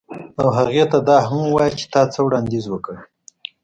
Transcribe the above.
او هغې ته دا هم ووایه چې تا څه وړاندیز وکړ